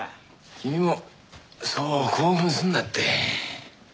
君もそう興奮すんなって。